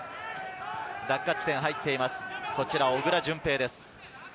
落下地点に入っています小倉順平です。